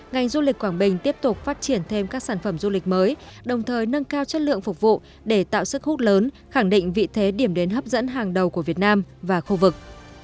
ngành du lịch quảng bình tiếp tục phát triển thêm các sản phẩm du lịch mới đồng thời nâng cao chất lượng phục vụ để tạo sức hút lớn khẳng định vị thế điểm đến hấp dẫn hàng đầu của việt nam và khu vực